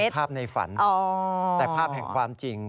เป็นภาพในฝันแต่ภาพฝันความจริง